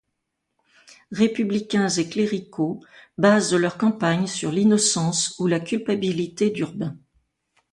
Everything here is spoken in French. Républicains et cléricaux basent leur campagne sur l’innocence ou la culpabilité d’Urbain.